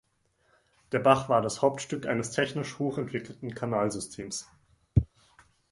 Der Bach war das Hauptstück eines technisch hoch entwickelten Kanalsystems.